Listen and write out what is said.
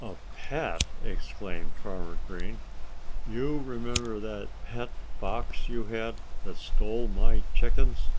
"A pet!" exclaimed Farmer Green. "You remember that pet fox you had, that stole my chickens?"